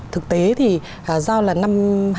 thực tế thì do là năm